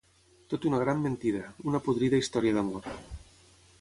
Tot una gran mentida, una podrida història d'amor.